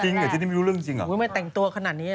จริงเหรอเจนี่ไม่รู้เรื่องจริงเหรอเว้ยไม่แต่งตัวขนาดนี้